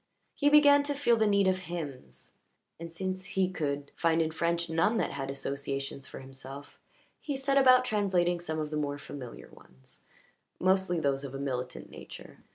He began to feel the need of hymns, and, since he could find in French none that had associations for himself, he set about translating some of the more familiar ones, mostly those of a militant nature.